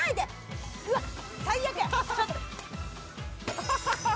ハハハハ！